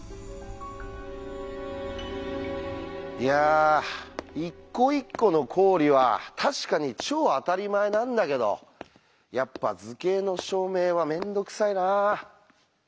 いや一個一個の公理は確かに超あたりまえなんだけどやっぱ図形の証明はめんどくさいなあ。